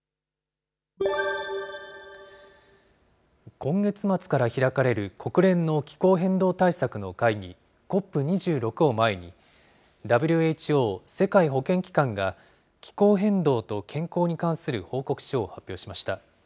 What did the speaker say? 今月末から開かれる国連の気候変動対策の会議、ＣＯＰ２６を前に、ＷＨＯ・世界保健機関が気候変動と健康に関する報告書を発表しました。